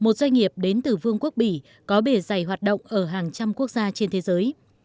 một doanh nghiệp đến từ vương quốc bỉ có bề dày hoạt động ở hàng trăm quốc gia trên thế giới